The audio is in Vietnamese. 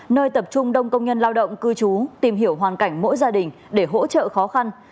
nơi tập trung đông công nhân lao động cư trú tìm hiểu hoàn cảnh mỗi gia đình để hỗ trợ khó khăn